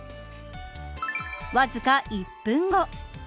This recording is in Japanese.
わずか１分後。